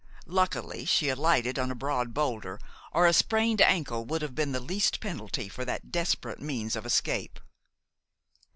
Luckily she alighted on a broad boulder, or a sprained ankle would have been the least penalty for that desperate means of escape.